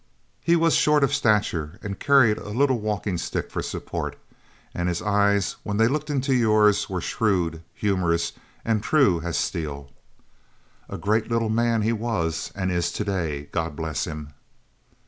He was short of stature and carried a little walking stick for support, and his eyes, when they looked into yours, were shrewd, humorous, and true as steel. A great little man he was, and is to day, God bless him!